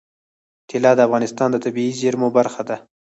طلا د افغانستان د طبیعي زیرمو برخه ده.